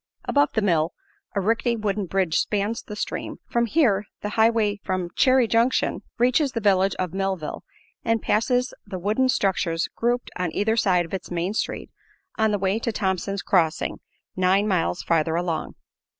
Above the mill a rickety wooden bridge spans the stream, for here the highway from Chary Junction reaches the village of Millville and passes the wooden structures grouped on either side its main street on the way to Thompson's Crossing, nine miles farther along.